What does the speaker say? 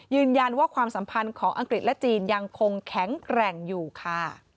ยืนยันว่าความสัมพันธ์ของอังกฤษและจีนยังคงแข็งแกร่งอยู่ค่ะ